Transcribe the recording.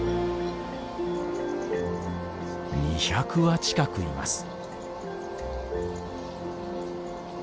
２００羽近くいます。